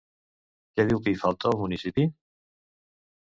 Què diu que hi falta al municipi?